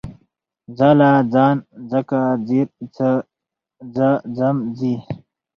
ځاله، ځان، ځکه، ځير، ځه، ځم، ځي